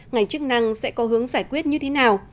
ngành chức năng sẽ có hướng giải quyết như thế nào